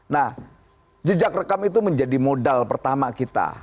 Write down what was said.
nah jejak rekam itu menjadi modal pertama kita